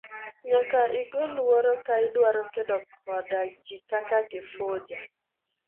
Nyaka igo luoro ka idwaro kedo koda ji kaka Kifuja.